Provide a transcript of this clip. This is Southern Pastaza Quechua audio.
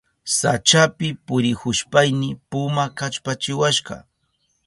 Sachapi purihushpayni pumaka kallpachiwashka.